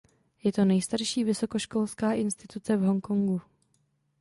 Je to nejstarší vysokoškolská instituce v Hongkongu.